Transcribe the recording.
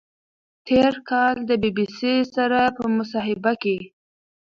تېر کال د بی بی سي سره په مصاحبه کې